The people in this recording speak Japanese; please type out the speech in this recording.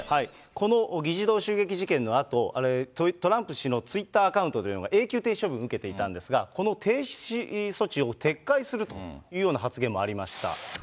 この議事堂襲撃事件のあと、トランプ氏のツイッターアカウントというのが、永久停止処分受けていたんですが、この停止措置を撤回するというような発言もありました。